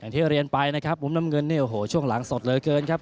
ที่เรียนไปนะครับมุมน้ำเงินเนี่ยโอ้โหช่วงหลังสดเหลือเกินครับ